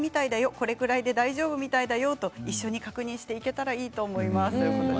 これくらいで大丈夫みたいだよと一緒に確認していけたらいいと思います、ということです。